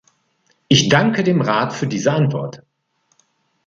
Ich danke dem Rat für diese Antwort.